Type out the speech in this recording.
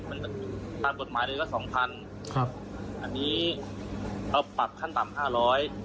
มันตามกฎหมายเดือนละสองพันครับอันนี้เราปรับขั้นต่ำห้าร้อย